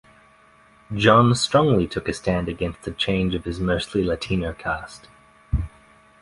John strongly took a stand against the change of his mostly Latino cast.